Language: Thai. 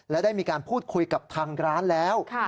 และได้มีการพูดคุยกับทางร้านแล้ว